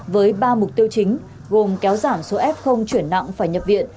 với ba mục tiêu chính gồm kéo giảm số f chuyển nặng phải nhập viện